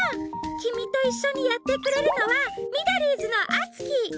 きみといっしょにやってくれるのはミドリーズのあつき！